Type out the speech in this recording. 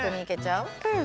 うん。